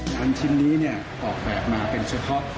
การชิ้นนี้ออกแบบมาเป็นช่วยครอบ